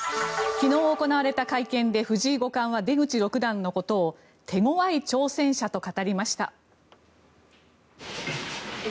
昨日行われた会見で藤井五冠は出口六段のことを手ごわい挑戦者と語りました。